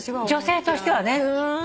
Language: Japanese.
女性としてはね。